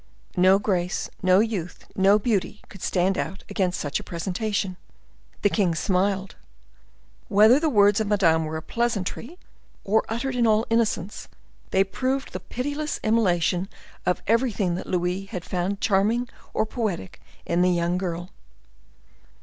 No grace, no youth, no beauty, could stand out against such a presentation. The king smiled. Whether the words of Madame were a pleasantry, or uttered in all innocency, they proved the pitiless immolation of everything that Louis had found charming or poetic in the young girl.